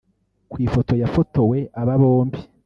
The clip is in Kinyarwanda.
Ku ifoto yafotowe aba bombi